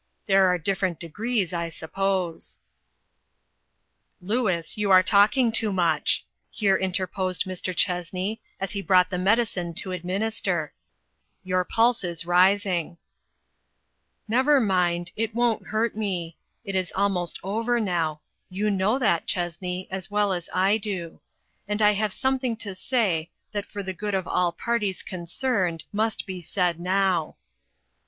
There are different degrees, I suppose." 406 INTERRUPTED. "Louis, you are talking too much," here interposed Mr. Chessney, as he brought the medicine to administer ;" your pulse is rising." "Never mind, it won't hurt me. It is almost over now ; you know that, Chessney, as well as I do. And I have something to say, that for the good of all parties con cerned, must be said now.